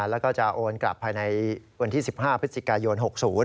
แล้วก็จะโอนกลับภายในวันที่๑๕พฤศจิกายน๖๐